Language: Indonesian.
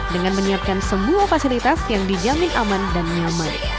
dengan menyiapkan semua fasilitas yang dijamin aman dan nyaman